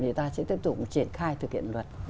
thì ta sẽ tiếp tục triển khai thực hiện luật